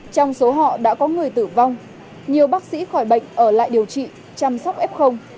trong số họ đã có người tử vong nhiều bác sĩ khỏi bệnh ở lại điều trị chăm sóc f